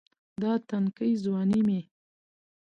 دا تنکے ځواني مې